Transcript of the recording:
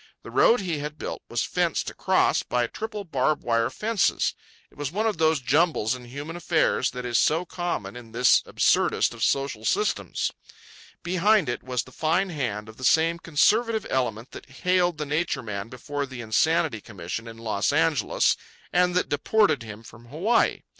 The road he had built was fenced across by triple barb wire fences. It was one of those jumbles in human affairs that is so common in this absurdest of social systems. Behind it was the fine hand of the same conservative element that haled the Nature Man before the Insanity Commission in Los Angeles and that deported him from Hawaii.